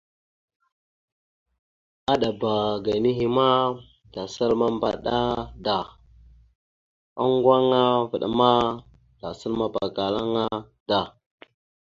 Aɗaba ga nehe ana, tasal mambaɗa da, oŋgo aŋa vaɗ ma tasal mapakala aŋa da.